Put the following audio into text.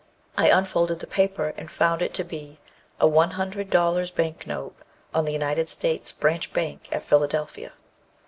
I unfolded the paper, and found it to be a 100 dollars bank note, on the United States Branch Bank, at Philadelphia.